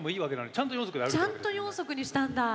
ちゃんと４足にしたんだ。